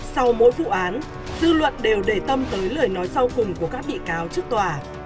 sau mỗi vụ án dư luận đều để tâm tới lời nói sau cùng của các bị cáo trước tòa